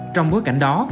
trong bối cảnh đó